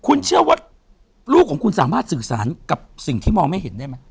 คุณเชื่อว่าลูกของคุณสามารถสื่อสารกับสิ่งที่มองไม่เห็นได้ไหม